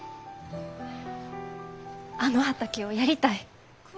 あの畑をやりたい。